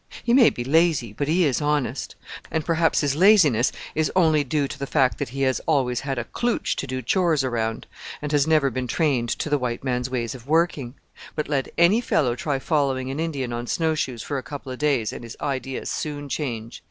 He may be lazy, but he is honest; and perhaps his laziness is only due to the fact that he has always had a klootch to do chores around, and has never been trained to the white man's ways of working; but let any fellow try following an Indian on snow shoes for a couple of days, and his ideas soon change.